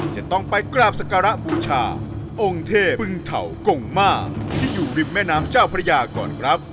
จะต้องไปกราบสการะบูชาองค์เทพบึงเถากงมาที่อยู่ริมแม่น้ำเจ้าพระยาก่อนครับ